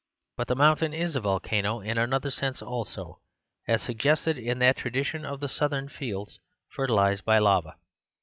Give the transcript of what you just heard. But the mountain is a volcano in another sense also; as suggested in that tradition of the southern fields fertilised by larva.